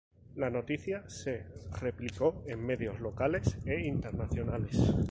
La noticia se replicó en medios locales e internacionales.